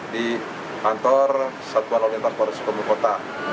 di kantor satuan olimpias polres sukabumi kota